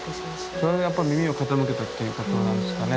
それにやっぱり耳を傾けたっていうことなんですかね。